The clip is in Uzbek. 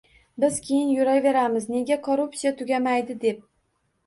Biz keyin yuraveramiz, nega korrupsiya tugamaydi deb...